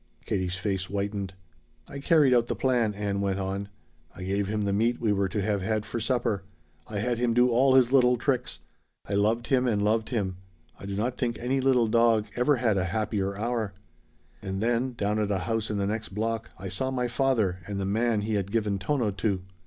Katie's face whitened. "I carried out the plan," Ann went on. "I gave him the meat we were to have had for supper. I had him do all his little tricks. I loved him and loved him. I do not think any little dog ever had a happier hour. "And then down at a house in the next block I saw my father and the man he had given Tono to.